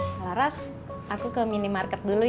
salah ras aku ke minimarket dulu ya